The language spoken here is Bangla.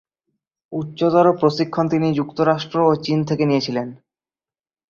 উচ্চতর প্রশিক্ষণ তিনি যুক্তরাষ্ট্র এবং চীন থেকে নিয়েছিলেন।